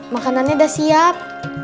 makanannya udah siap